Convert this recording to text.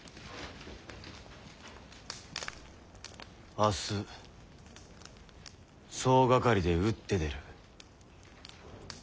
明日総掛かりで打って出る。